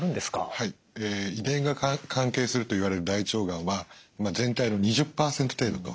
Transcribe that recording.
はい遺伝が関係するといわれる大腸がんは全体の２０％程度といわれています。